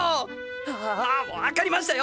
ああ分かりましたよ